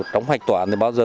trong hạch tòa thì bao giờ